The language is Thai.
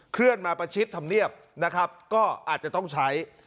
เคลื่อนมาประชิดธรรมเนียบนะครับก็อาจจะต้องใช้